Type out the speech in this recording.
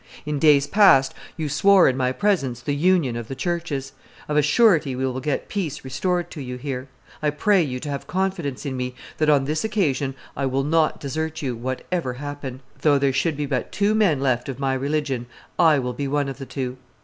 In days past you swore in my presence the union of the churches. Of a surety we will get peace restored to you here. I pray you to have confidence in me, that on this occasion I will not desert you, whatever happen. Though there should be but two men left of my religion, I will be one of the two.